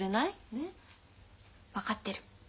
ねっ？分かってる。